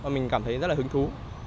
mình cảm thấy rất là hứng thú